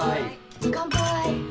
乾杯。